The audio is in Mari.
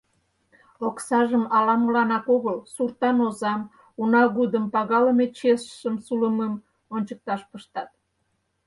Оксажым ала-моланак огыл, суртан озам, унагудым, пагалыме чесшым сулымым ончыкташ пыштат.